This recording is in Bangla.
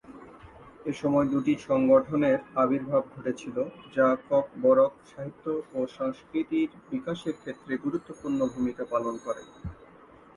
এসময় দুটি সংগঠনের আবির্ভাব ঘটেছিল যা ককবরক সাহিত্য ও সংস্কৃতির বিকাশের ক্ষেত্রে গুরুত্বপূর্ণ ভূমিকা পালন করে।